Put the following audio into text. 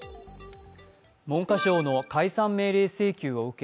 文科省の解散命令請求を受け